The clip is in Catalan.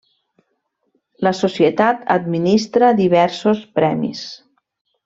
La societat administra diversos premis.